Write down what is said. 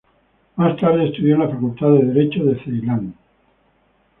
Más tarde estudió en la Facultad de Derecho de Ceilán.